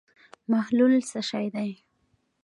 محلول څه شی دی.